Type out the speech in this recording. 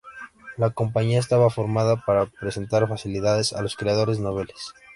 La compañía estaba formada para prestar facilidades a los creadores noveles.